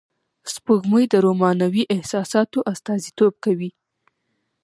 سپوږمۍ د رومانوی احساساتو استازیتوب کوي